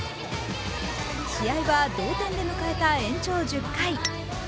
試合は同点で迎えた延長１０回。